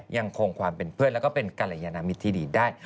ยังคงความเป็นเพื่อนแล้วก็เป็นกรยานมิตรที่ดีได้